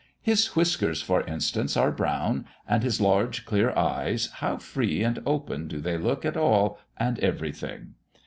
His whiskers, for instance, are brown; and his large, clear eyes, how free and open do they look at all and everything!